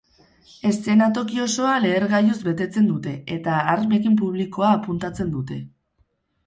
Eszenatoki osoa lehergailuz betetzen dute eta armekin publikoa apuntatzen dute.